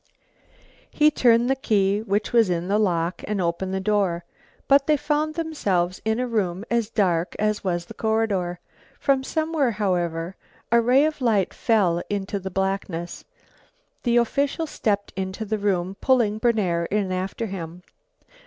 He turned the key which was in the lock, and opened the door, but they found themselves in a room as dark as was the corridor. From somewhere, however, a ray of light fell into the blackness. The official stepped into the room, pulling Berner in after him.